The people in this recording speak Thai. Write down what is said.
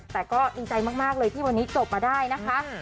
แต่ก็ดีใจมากเลยที่วันนี้จบมาได้นะคะ